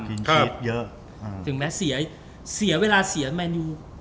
ถึงแม้เสียเวลาเสียแมนิว